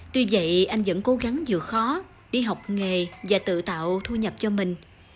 tuy vậy anh vẫn cố gắng dựa khó đi học nghề và tự tạo thu nhập cho mình